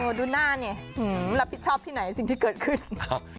ดูหน้านี่รับผิดชอบที่ไหนสิ่งที่เกิดขึ้น